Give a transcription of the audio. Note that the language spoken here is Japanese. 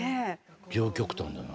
両極端だな。